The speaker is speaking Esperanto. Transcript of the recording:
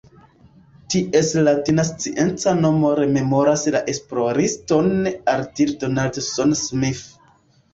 Ties latina scienca nomo rememoras la esploriston Arthur Donaldson-Smith.